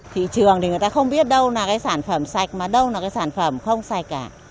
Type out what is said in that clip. thị trường thì người ta không biết đâu là cái sản phẩm sạch mà đâu là cái sản phẩm không sạch cả